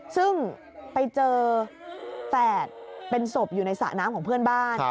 ซึ่งไปเจอแฝดเป็นศพอยู่ในสระน้ำของเพื่อนบ้าน